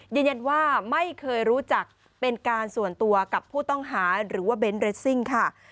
ยืนยันว่าไม่เคยรู้จักเป็นการส่วนตัวกับผู้ต้องหาหรือว่าเบนท์เรสซิ่งค่ะ